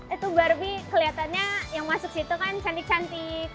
itu barbie kelihatannya yang masuk situ kan cantik cantik